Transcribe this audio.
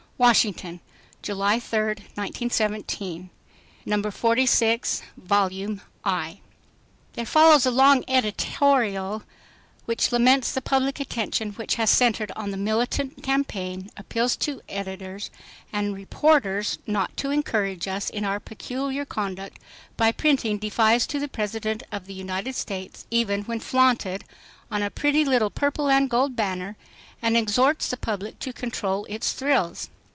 "Washington, July 3, 1917. No. 46 Vol. i." There follows a long editorial which laments the public attention which has centered on the militant campaign, appeals to editors and reporters not to "encourage" us in our peculiar conduct by printing defies to the President of the United States even when "flaunted on a pretty little purple and gold banner" and exhorts the public to control its thrills.